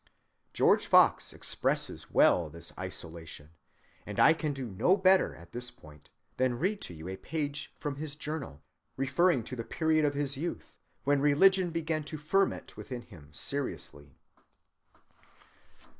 George Fox expresses well this isolation; and I can do no better at this point than read to you a page from his Journal, referring to the period of his youth when religion began to ferment within him seriously.